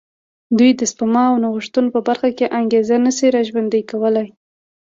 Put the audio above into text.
دوی د سپما او نوښتونو په برخه کې انګېزه نه شي را ژوندی کولای.